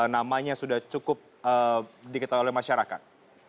namanya sudah cukup diketahui oleh masyarakat